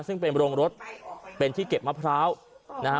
ซึ่งเป็นโรงรถเป็นที่เก็บมะพร้าวนะฮะ